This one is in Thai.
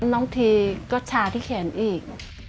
น้องทีก็ชาที่แขนอีก